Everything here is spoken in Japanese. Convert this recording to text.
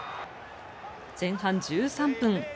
前半１３分。